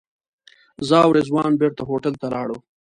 زه او رضوان بېرته هوټل ته لاړو.